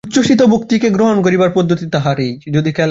উচ্ছসিত ভক্তিকে গ্রহণ করিবার পদ্ধতি তাহার এই!